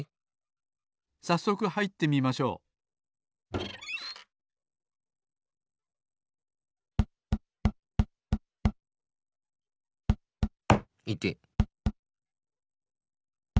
さっそくはいってみましょういてっ！